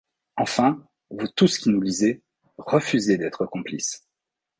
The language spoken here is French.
Enfin, vous tous qui nous lisez, refusez d'être complices.